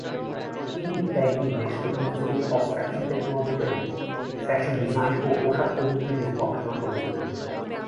ইতি Tyagi national institute of fashion টেকনোলজিতে fashion design ও পোশাক প্রযুক্তি নিয়ে পড়াশোনা করেছিলেন।